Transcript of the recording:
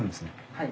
はい。